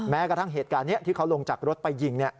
แม้กระทั่งเหตุการณ์นี้ที่เขาลงจากรถไปยิง